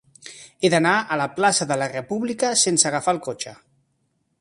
He d'anar a la plaça de la República sense agafar el cotxe.